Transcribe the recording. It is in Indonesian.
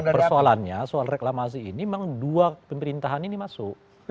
persoalannya soal reklamasi ini memang dua pemerintahan ini masuk